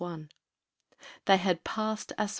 They had passed Assuan!